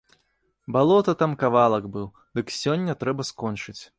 Балота там кавалак быў, дык сёння трэба скончыць.